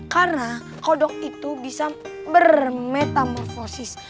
karena kodok itu bisa bermetamorfosis